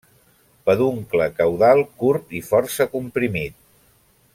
Peduncle caudal curt i força comprimit.